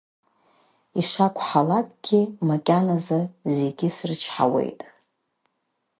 Ишакәхалакгьы макьаназы зегьы срычҳауеит.